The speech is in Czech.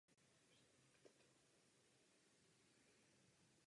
O tři roky později vydali své první album.